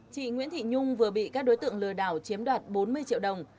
chị nguyễn thị nhung vừa bị các đối tượng lừa đảo chiếm đoạt bốn mươi triệu đồng